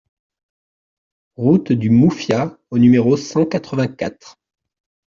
Route du Moufia au numéro cent quatre-vingt-quatre